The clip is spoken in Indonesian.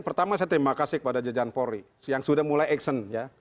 pertama saya terima kasih kepada jejan polri yang sudah mulai aksion